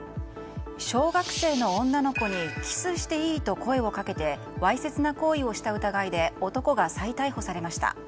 小学生の女の子にキスしていい？と声をかけてわいせつな行為をした疑いで男が再逮捕されました。